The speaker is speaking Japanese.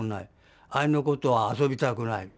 あいの子とは遊びたくない。